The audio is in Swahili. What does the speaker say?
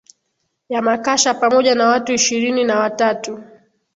ya makasha pamoja na watu ishirini na wa tatu